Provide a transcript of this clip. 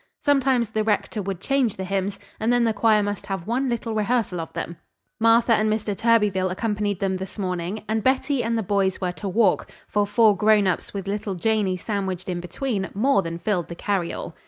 Sometimes the rector would change the hymns, and then the choir must have one little rehearsal of them. Martha and Mr. Thurbyfil accompanied them this morning, and Betty and the boys were to walk, for four grown ups with little Janey sandwiched in between more than filled the carryall.